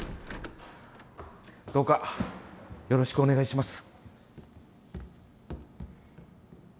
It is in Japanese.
どうかよろしくお願いします。